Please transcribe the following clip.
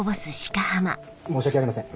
申し訳ありません。